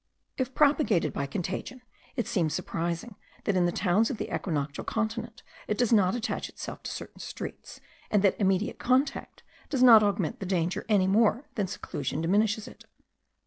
If propagated by contagion, it seems surprising that in the towns of the equinoctial continent it does not attach itself to certain streets; and that immediate contact* does not augment the danger, any more than seclusion diminishes it.